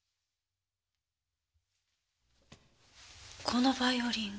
このヴァイオリン。